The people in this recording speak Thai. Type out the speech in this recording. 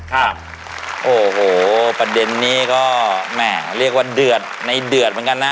ครับโอ้โหประเด็นนี้ก็แหม่เรียกว่าเดือดในเดือดเหมือนกันนะ